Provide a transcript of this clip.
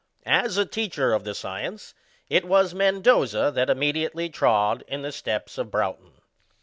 As a teacher of the science it was Mbndoza that immediately trod in the steps of Bronghton.